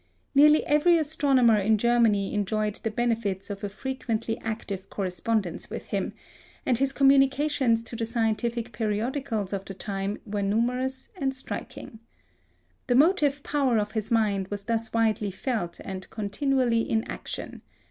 Nearly every astronomer in Germany enjoyed the benefits of a frequently active correspondence with him, and his communications to the scientific periodicals of the time were numerous and striking. The motive power of his mind was thus widely felt and continually in action.